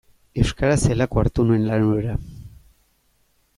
Euskaraz zelako hartu nuen lan hura.